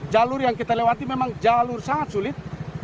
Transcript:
jalur yang kita lewati memang jalur sangat sulit